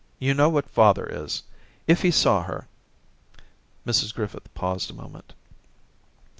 You know what father is ; if he saw her. '... Mrs Griffith paused a moment.